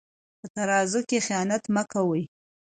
په ترازو کې خیانت مه کوئ.